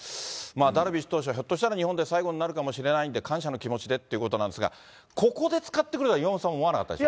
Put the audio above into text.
ダルビッシュ投手はひょっとしたら日本で最後になるかもしれないんで、感謝の気持ちでということなんですが、ここで使ってくるとは岩本さんも思わなかったでしょ。